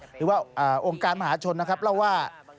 หรือว่าองค์การมหาชนนะครับเล่าว่า